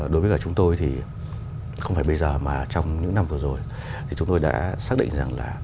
đối với cả chúng tôi thì không phải bây giờ mà trong những năm vừa rồi thì chúng tôi đã xác định rằng là